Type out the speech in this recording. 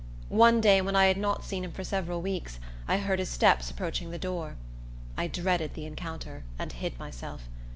One day, when I had not seen him for several weeks, I heard his steps approaching the door. I dreaded the encounter, and hid myself.